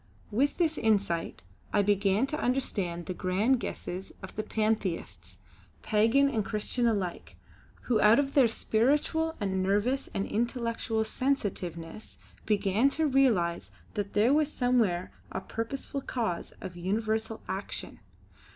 With this insight I began to understand the grand guesses of the Pantheists, pagan and christian alike, who out of their spiritual and nervous and intellectual sensitiveness began to realise that there was somewhere a purposeful cause of universal action.